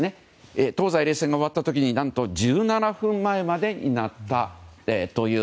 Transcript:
東西冷戦が終わった時１７分前までになったと。